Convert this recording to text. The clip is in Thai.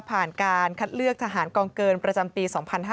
การคัดเลือกทหารกองเกินประจำปี๒๕๕๙